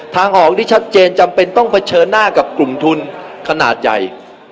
ทางออกที่ชัดเจนจำเป็นต้องเผชิญหน้ากับกลุ่มทุนขนาดใหญ่